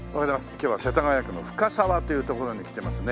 今日は世田谷区の深沢というところに来てますね。